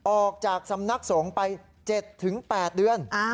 ออกจากสำนักสงฆ์ไป๗๘เดือน